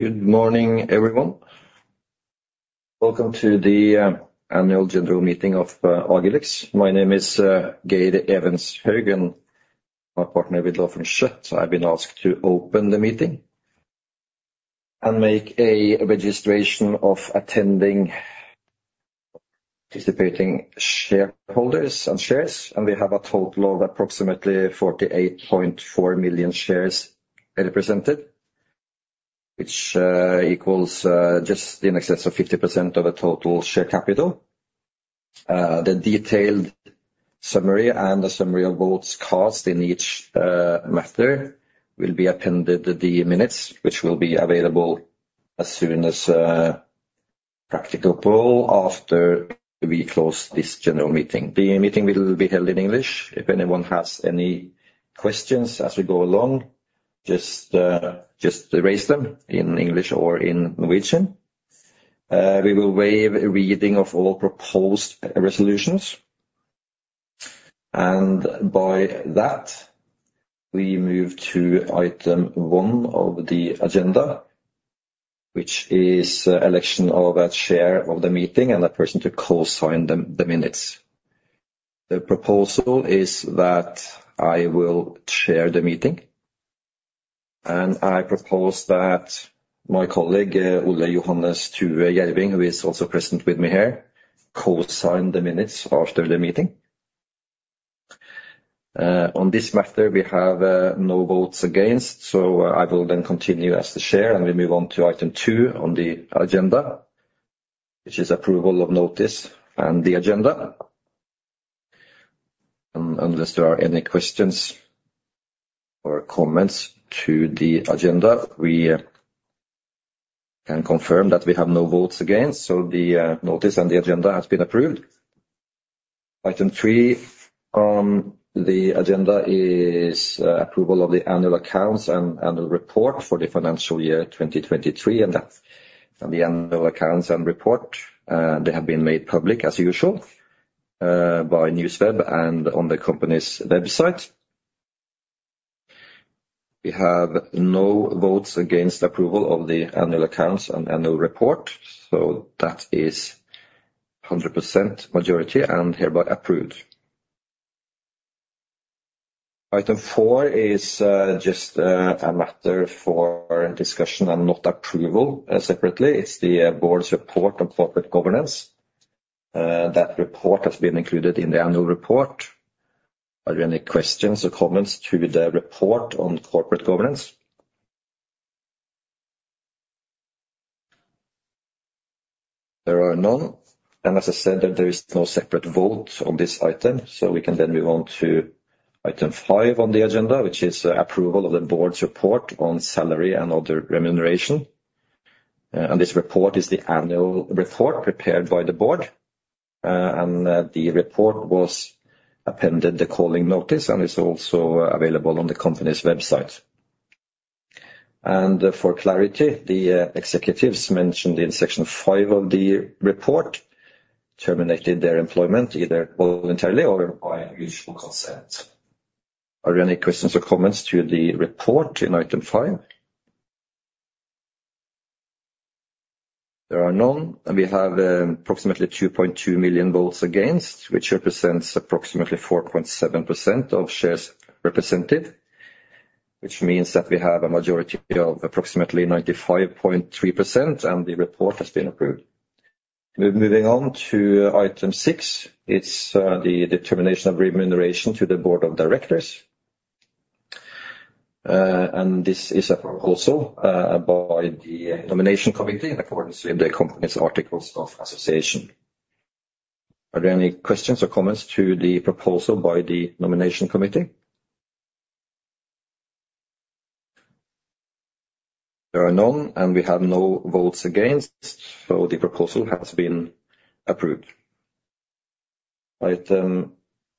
Good morning, everyone. Welcome to the Annual General Meeting of Agilyx. My name is Geir Evenshaug, a partner with Advokatfirmaet Schjødt AS. I've been asked to open the meeting and make a registration of attending, participating shareholders and shares. We have a total of approximately 48.4 million shares represented, which equals just in excess of 50% of the total share capital. The detailed summary and the summary of votes cast in each matter will be appended to the minutes, which will be available as soon as practical poll after we close this general meeting. The meeting will be held in English. If anyone has any questions as we go along, just raise them in English or in Norwegian. We will waive reading of all proposed resolutions. By that, we move to item one of the agenda, which is election of a chair of the meeting and a person to co-sign the minutes. The proposal is that I will chair the meeting, and I propose that my colleague, Ole Johannes Thue Jerving, who is also present with me here, co-sign the minutes after the meeting. On this matter, we have no votes against, so I will then continue as the chair, and we move on to item two on the agenda, which is approval of notice and the agenda. Unless there are any questions or comments to the agenda, we can confirm that we have no votes against. The notice and the agenda has been approved. Item three on the agenda is approval of the annual accounts and annual report for the financial year 2023. The annual accounts and report, they have been made public as usual by NewsWeb and on the company's website. We have no votes against approval of the annual accounts and annual report, so that is 100% majority and hereby approved. Item four is just a matter for discussion and not approval separately. It's the board's report on corporate governance. That report has been included in the annual report. Are there any questions or comments to the report on corporate governance? There are none. As I said, there is no separate vote on this item, so we can then move on to Item five on the agenda, which is approval of the board's report on salary and other remuneration. This report is the annual report prepared by the board. The report was appended the calling notice and is also available on the company's website. For clarity, the executives mentioned in section 5 of the report terminated their employment either voluntarily or by mutual consent. Are there any questions or comments to the report in item five? There are none. We have approximately 2.2 million votes against, which represents approximately 4.7% of shares represented, which means that we have a majority of approximately 95.3%, and the report has been approved. We're moving on to item six. It's the determination of remuneration to the board of directors. This is a proposal by the nomination committee in accordance with the company's articles of association. Are there any questions or comments to the proposal by the nomination committee? There are none. We have no votes against. The proposal has been approved. Item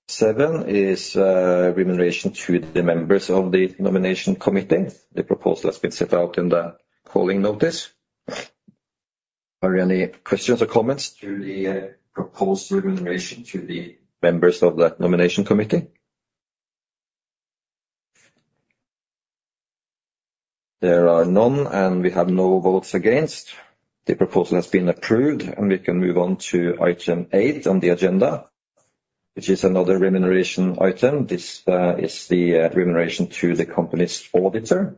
seven is remuneration to the members of the nomination committee. The proposal has been set out in the calling notice. Are any questions or comments to the proposed remuneration to the members of that nomination committee? There are none. We have no votes against. The proposal has been approved. We can move on to item eight on the agenda, which is another remuneration item. This is the remuneration to the company's auditor.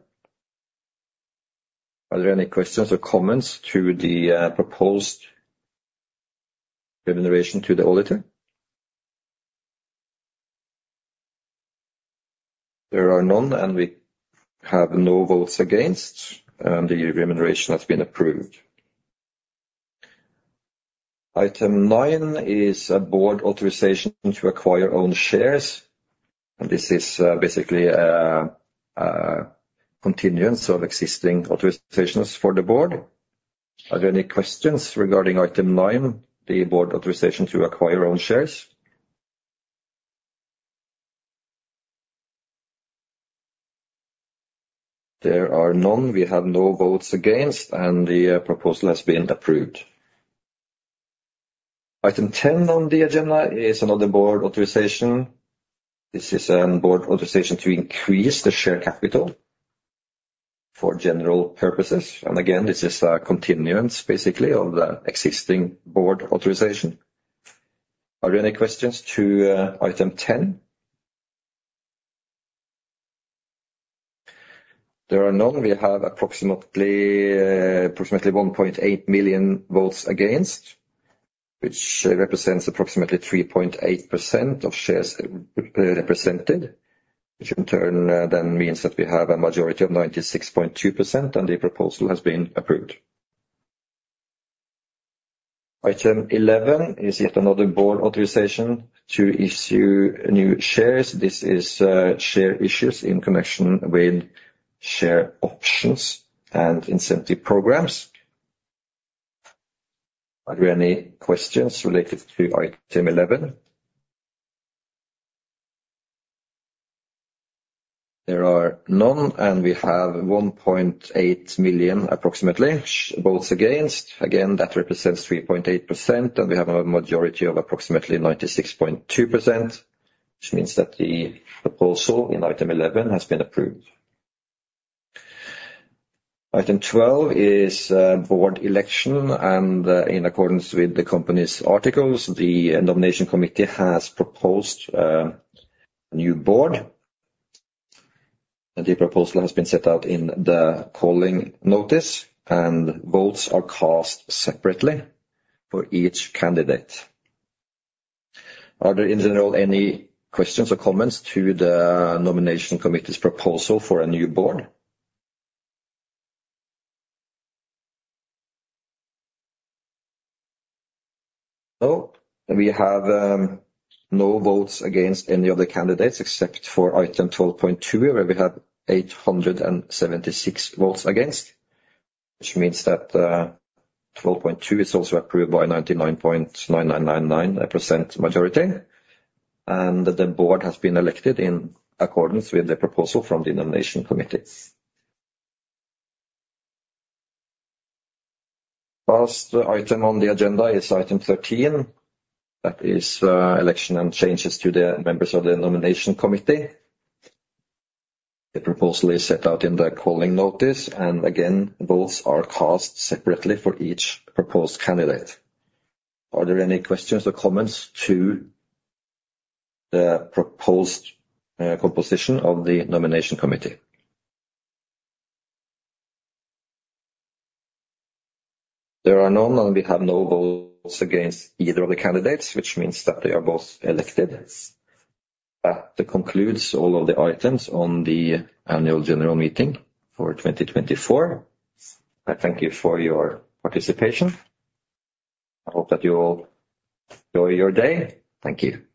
Are there any questions or comments to the proposed remuneration to the auditor? There are none. We have no votes against. The remuneration has been approved. Item nine is a board authorization to acquire own shares. This is, basically, a continuance of existing authorizations for the board. Are there any questions regarding item nine, the board authorization to acquire own shares? There are none, we have no votes against, and the proposal has been approved. Item 10 on the agenda is another board authorization. This is an board authorization to increase the share capital for general purposes, and again, this is a continuance, basically, of the existing board authorization. Are there any questions to item 10? There are none. We have approximately 1.8 million votes against, which represents approximately 3.8% of shares represented, which in turn then means that we have a majority of 96.2%, and the proposal has been approved. Item 11 is yet another board authorization to issue new shares. This is share issues in connection with share options and incentive programs. Are there any questions related to Item 11? There are none, and we have 1.8 million approximately votes against. Again, that represents 3.8%, and we have a majority of approximately 96.2%, which means that the proposal in Item 11 has been approved. Item 12 is board election, and in accordance with the company's articles, the nomination committee has proposed new board, and the proposal has been set out in the calling notice, and votes are cast separately for each candidate. Are there, in general, any questions or comments to the nomination committee's proposal for a new board? No. We have no votes against any of other candidates except for item 12.2, where we have 876 votes against, which means that 12.2 is also approved by 99.9999% majority. The board has been elected in accordance with the proposal from the nomination committee. Last item on the agenda is item 13. That is election and changes to the members of the nomination committee. The proposal is set out in the calling notice. Again, votes are cast separately for each proposed candidate. Are there any questions or comments to the proposed composition of the nomination committee? There are none. We have no votes against either of the candidates, which means that they are both elected. That concludes all of the items on the annual general meeting for 2024. I thank you for your participation. I hope that you all enjoy your day. Thank you. Goodbye.